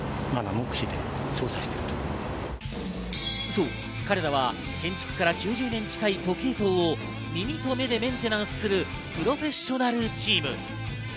そう、彼らは建築から９０年近い時計塔を耳と目でメンテナンスするプロフェッショナルチーム。